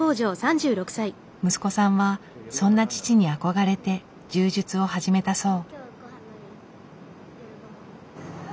息子さんはそんな父に憧れて柔術を始めたそう。